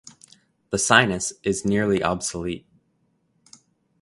The sinus is nearly obsolete.